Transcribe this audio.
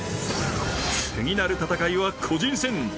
次なる戦いは個人戦。